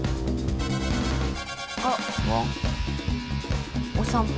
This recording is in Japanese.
あっお散歩？